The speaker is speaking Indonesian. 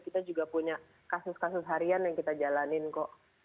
kita juga punya kasus kasus harian yang kita jalanin kok